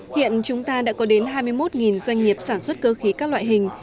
hiện chúng ta đã có đến hai mươi một doanh nghiệp sản xuất cơ khí các loại hình